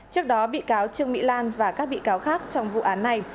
trước đó bị cáo trương mỹ lan và các bị cáo khác trong vụ án này